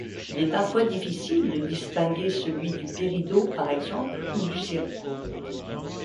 Il est parfois difficile de distinguer celui du péridot par exemple ou du zircon.